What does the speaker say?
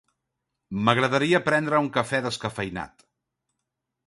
M'agradaria prendre un cafè descafeïnat.